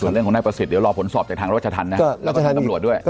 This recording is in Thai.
ส่วนเรื่องของแน่ประสิทธิ์เดี๋ยวรอผลสอบจากทางรัชทันนะ